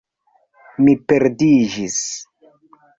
Mi perdiĝis